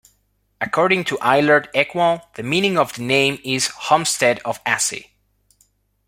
According to Eilert Ekwall, the meaning of the name is "homestead of Assi".